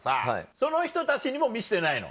その人たちにも見してないの？